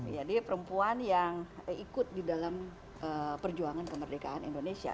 jadi perempuan yang ikut di dalam perjuangan kemerdekaan indonesia